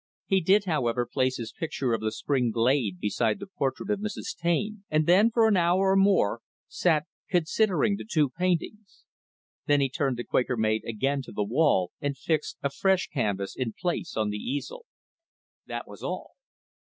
He did, however, place his picture of the spring glade beside the portrait of Mrs. Taine, and then, for an hour or more, sat considering the two paintings. Then he turned the "Quaker Maid" again to the wall and fixed a fresh canvas in place on the easel. That was all.